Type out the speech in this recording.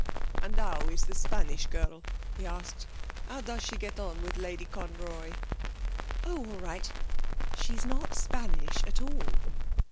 'And how is the Spanish girl?' he asked. 'How does she get on with Lady Conroy?' 'Oh, all right. She's not Spanish at all.